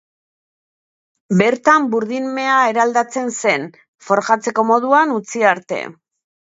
Bertan burdin mea eraldatzen zen, forjatzeko moduan utzi arte.